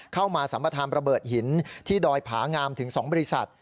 เข้ามาสัมภาษณ์ระเบิดหินที่ดอยผางามถึงสองบริษัท